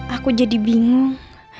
aku jadi bingung